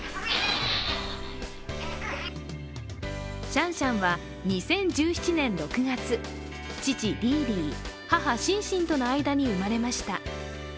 シャンシャンは２０１７年６月、父・リーリー、母・シンシンとの間に生まれました。